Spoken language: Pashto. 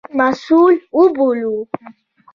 مسوول وبولو.